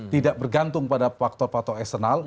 tidak bergantung pada faktor faktor eksternal